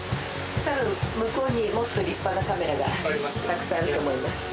多分向こうにもっと立派なカメラがたくさんあると思います